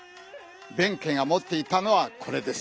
弁慶がもっていたのはこれです。